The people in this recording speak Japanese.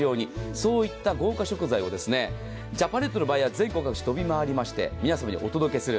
そういった豪華食材をジャパネットのバイヤーが全国各地、飛び回りまして皆さまにお届けする。